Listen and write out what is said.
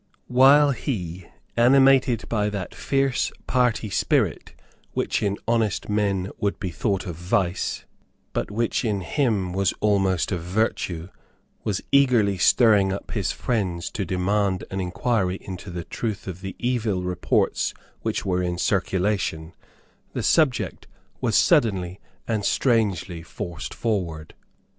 While he, animated by that fierce party spirit which in honest men would be thought a vice, but which in him was almost a virtue, was eagerly stirring up his friends to demand an inquiry into the truth of the evil reports which were in circulation, the subject was suddenly and strangely forced forward.